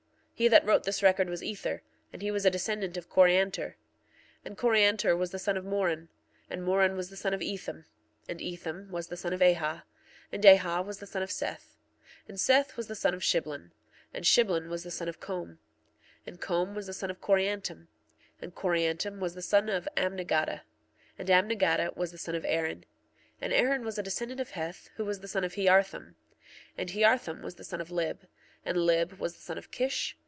He that wrote this record was Ether, and he was a descendant of Coriantor. 1:7 Coriantor was the son of Moron. 1:8 And Moron was the son of Ethem. 1:9 And Ethem was the son of Ahah. 1:10 And Ahah was the son of Seth. 1:11 And Seth was the son of Shiblon. 1:12 And Shiblon was the son of Com. 1:13 And Com was the son of Coriantum. 1:14 And Coriantum was the son of Amnigaddah. 1:15 And Amnigaddah was the son of Aaron. 1:16 And Aaron was a descendant of Heth, who was the son of Hearthom. 1:17 And Hearthom was the son of Lib. 1:18 And Lib was the son of Kish.